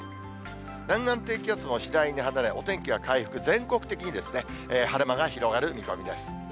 南岸低気圧も次第に離れ、お天気は回復、全国的に晴れ間が広がる見込みです。